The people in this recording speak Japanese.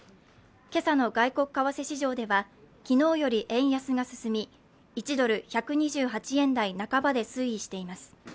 今朝の外国為替市場では昨日より円安が進み１ドル＝１２８円台半ばで推移しています。